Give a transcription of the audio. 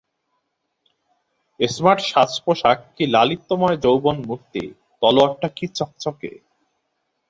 Smart সাজপোশাক, কী লালিত্যময় যৌবনমূর্তি, তলোয়ারটা কী চকচকে।